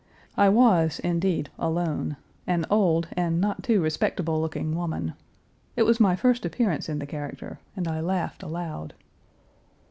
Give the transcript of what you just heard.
I was, indeed, alone an old and not too respectable looking woman. It was my first appearance in the character, and I laughed aloud.